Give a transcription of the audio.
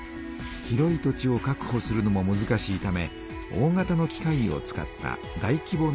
広い土地をかくほするのもむずかしいため大型の機械を使った大きぼ